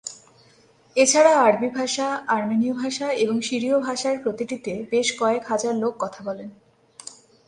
এছাড়া আরবি ভাষা, আর্মেনীয় ভাষা এবং সিরীয় ভাষার প্রতিটিতে বেশ কয়েক হাজার লোক কথা বলেন।